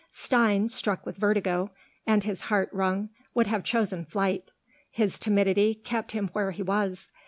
Stein, struck with vertigo, and his heart wrung, would have chosen flight: his timidity kept him where he was.